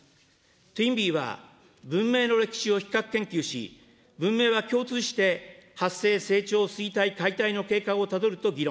トインビーは文明の歴史を比較研究し、文明は共通して発生・成長・衰退・解体の経過をたどると議論。